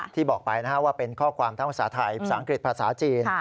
ที่บอกไปว่าเป็นข้อความทั้งภาษาไทยภาษาอังกฤษภาษาจีน